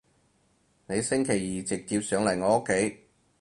你星期二直接上嚟我屋企